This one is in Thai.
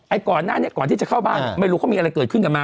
ก่อนหน้านี้ก่อนที่จะเข้าบ้านไม่รู้เขามีอะไรเกิดขึ้นกันมา